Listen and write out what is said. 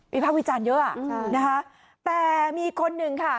วิพักวิจารณ์เยอะอ่ะใช่นะฮะแต่มีคนหนึ่งค่ะ